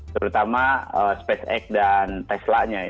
terutama spacex dan teslanya